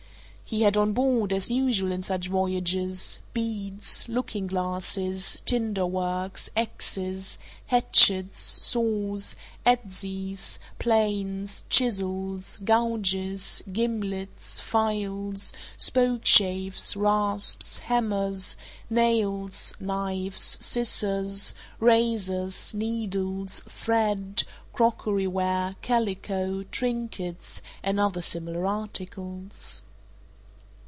He had on board, as usual in such voyages, beads, looking glasses, tinder works, axes, hatchets, saws, adzes, planes, chisels, gouges, gimlets, files, spokeshaves, rasps, hammers, nails, knives, scissors, razors, needles, thread, crockery ware, calico, trinkets, and other similar articles.